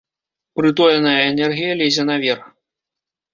Прытоеная энергія лезе наверх.